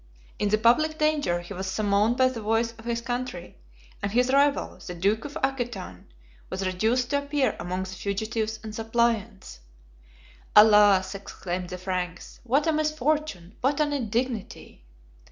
In the public danger he was summoned by the voice of his country; and his rival, the duke of Aquitain, was reduced to appear among the fugitives and suppliants. "Alas!" exclaimed the Franks, "what a misfortune! what an indignity!